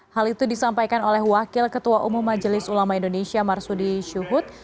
hal itu disampaikan oleh wakil ketua umum majelis ulama indonesia marsudi syuhud